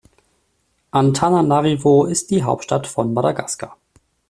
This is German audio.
Antananarivo ist die Hauptstadt von Madagaskar.